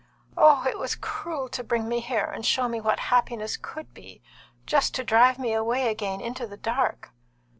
Oh, it was cruel to bring me here and show me what happiness could be, just to drive me away again into the dark!"